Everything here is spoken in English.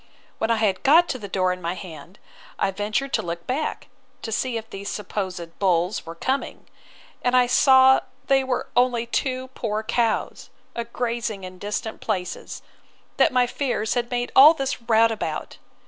When I had got the door in my hand, I ventured to look back, to see if these supposed bulls were coming; and I saw they were only two poor cows, a grazing in distant places, that my fears had made all this rout about.